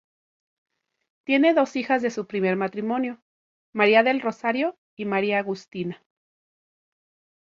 Tiene dos hijas de su primer matrimonio, María del Rosario y María Agustina.